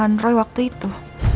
pembunuh hanroy waktu itu